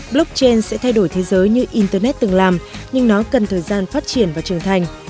blockchain sẽ thay đổi thế giới như internet từng làm nhưng nó cần thời gian phát triển và trưởng thành